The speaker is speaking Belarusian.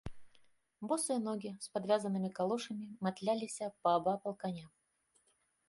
Босыя ногі з падвязанымі калошамі матляліся паабапал каня.